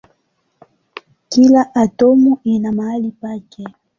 Kila atomu ina mahali pake.